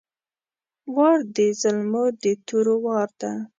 وار ده د زلمو د تورو وار ده!